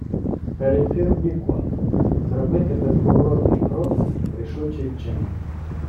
Перейти Рубікон зробити безповоротний крок, рішучий вчинок.